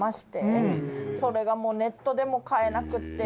「それがもうネットでも買えなくて」